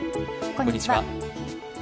こんにちは。